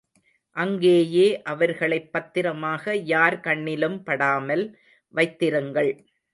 அங்கேயே அவர்களைப் பத்திரமாக யார் கண்ணிலும் படாமல் வைத்திருங்கள்.